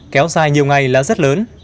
kéo dài nhiều ngày là rất lớn